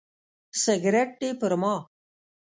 سګرټ دې پر ما.